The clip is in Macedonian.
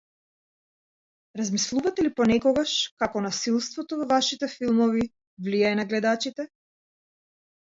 Размислувате ли понекогаш како насилството во вашите филмови влијае на гледачите?